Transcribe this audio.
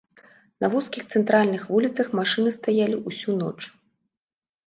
На вузкіх цэнтральных вуліцах машыны стаялі ўсю ноч.